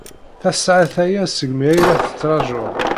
Tasaɛet aya segmi ay la t-ttṛajuɣ.